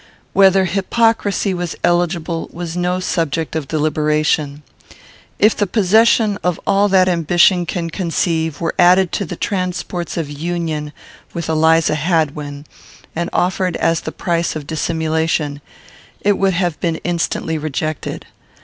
Whether hypocrisy was eligible was no subject of deliberation. If the possession of all that ambition can conceive were added to the transports of union with Eliza Hadwin, and offered as the price of dissimulation, it would have been instantly rejected.